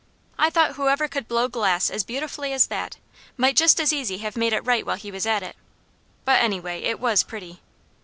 I thought whoever could blow glass as beautifully as that, might just as easy have made it right while he was at it; but anyway, it was pretty.